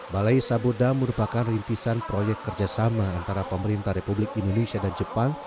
balai saboda merupakan rintisan proyek kerjasama antara pemerintah republik indonesia dan jepang